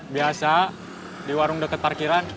biasa di warung dekat parkiran